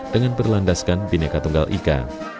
dengan berlandaskan bineka tunggal ika